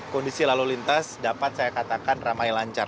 kondisi lalu lintas dapat saya katakan ramai lancar